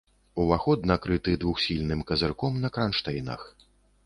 Уваход накрыты двухсхільным казырком на кранштэйнах.